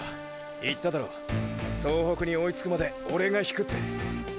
言っただろ総北に追いつくまでオレが引くって。